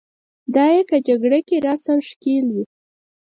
دای که جګړه کې راساً ښکېل وي.